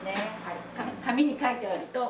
紙に書いてあると。